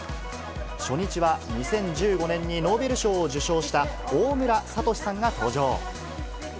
初日は、２０１５年にノーベル賞を受賞した大村智さんが登場。